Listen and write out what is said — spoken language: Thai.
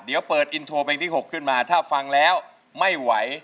เดี๋ยวเปิดอินโทรเพลงที่๖ขึ้นมาถ้าฟังแล้วไม่ไหว